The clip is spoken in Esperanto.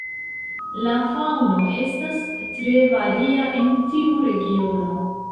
La faŭno estas tre varia en tiu regiono.